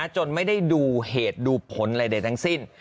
จนไม่ได้ดูเหตุดูผลอะไรใดทั้งสิ้น